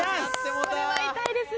これは痛いですね。